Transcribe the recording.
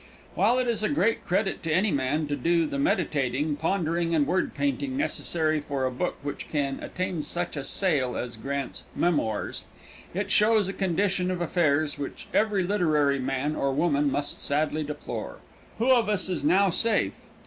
While it is a great credit to any man to do the meditating, pondering, and word painting necessary for a book which can attain such a sale as Grant's "Memoirs," it shows a condition of affairs which every literary man or woman must sadly deplore. Who of us is now safe?